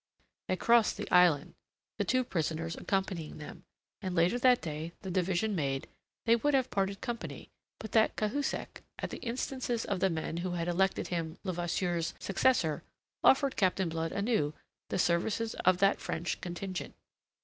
They crossed the island, the two prisoners accompanying them, and later that day, the division made, they would have parted company but that Cahusac, at the instances of the men who had elected him Levasseur's successor, offered Captain Blood anew the services of that French contingent.